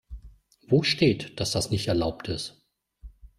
Wo steht, dass das nicht erlaubt ist?